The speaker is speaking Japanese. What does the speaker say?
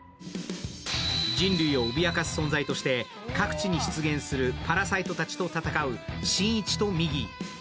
人類を脅かす存在として各地に出現するパラサイトたちと戦う新一とミギー。